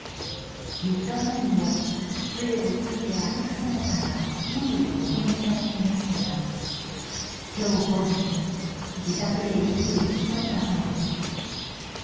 ３日前にも杖をついて歩く姿が近所で目撃されていましたが今日午前自宅で息を引き取ったそうです。